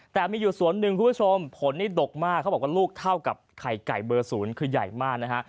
แต่มีอยู่สวนหนึ่งคุณผู้ชมผลนี่ดกมากเขาบอกว่าลูกเท่ากับไข่ไก่เบอร์๐คือใหญ่มากนะฮะ